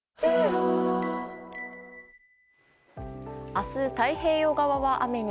明日、太平洋側は雨に。